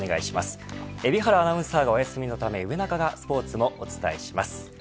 海老原アナウンサーがお休みのため上中がスポーツをお伝えします。